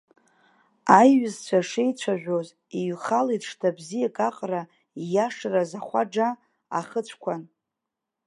Аиҩызцәа шеицәажәоз, иҩхалеит шҭа бзиак аҟара ииашараз ахәаџа ахыцәқәан.